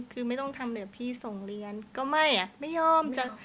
คือไม่ต้องทำเหลือพี่ส่งเรียนก็ไม่อะไม่ยอม